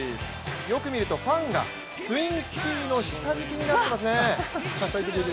よく見るとファンがスウィンスキーの下敷きになってますね。